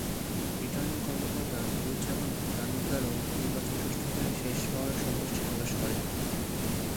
Returning কর্মকর্তা নুরুজ্জামান তালুকদারও নির্বাচন সুষ্ঠুভাবে শেষ হওয়ায় সন্তুষ্টি প্রকাশ করেন।